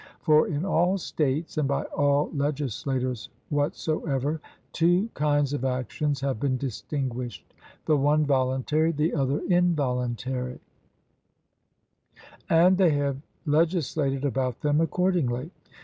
For in all states and by all legislators whatsoever, two kinds of actions have been distinguished the one, voluntary, the other, involuntary; and they have legislated about them accordingly.